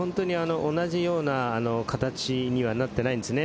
同じような形にはなっていないんですね。